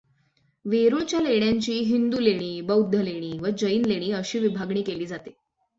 वेरूळच्या लेण्यांची हिंदू लेणी, बौद्ध लेणी व जैन लेणी अशी विभागणी केली जाते.